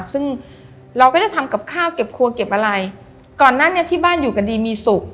ซึ่งเราก็จะทำกับข้าวเก็บครัวเก็บอะไรก่อนหน้านี้ที่บ้านอยู่กันดีมีสุข